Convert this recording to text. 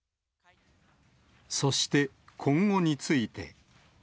そして、今後について。